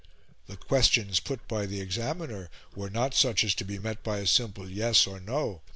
The questions put by the examiner were not such as to be met by a simple 'yes' or 'no.'